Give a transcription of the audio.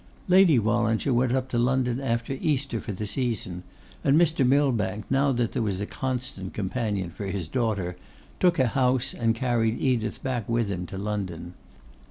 Lady Wallinger went up to London after Easter for the season, and Mr. Millbank, now that there was a constant companion for his daughter, took a house and carried Edith back with him to London.